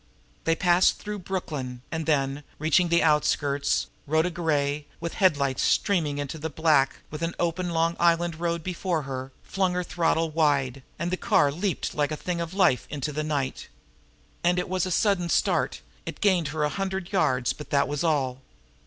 They passed through Brooklyn; and then, reaching the outskirts, Rhoda Gray, with headlights streaming into the black, with an open Long Island road before her, flung her throttle wide, and the car leaped like a thing of life into the night. It was a sudden start, it gained her a hundred yards but that was all.